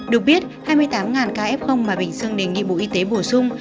được biết hai mươi tám ca f mà bình dương đề nghị bộ y tế bổ sung